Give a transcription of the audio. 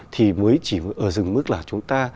thì mới chỉ ở dừng mức là chúng ta